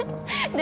で